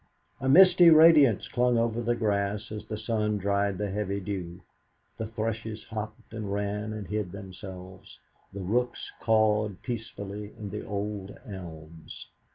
A misty radiance clung over the grass as the sun dried the heavy dew; the thrushes hopped and ran and hid themselves, the rooks cawed peacefully in the old elms.